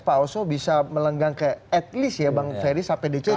pak oso bisa melenggang ke at least ya bang ferry sampai dct